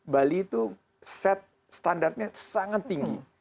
bali itu set standarnya sangat tinggi